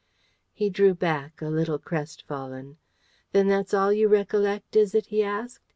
He drew back, a little crestfallen. "Then that's all you recollect, is it?" he asked.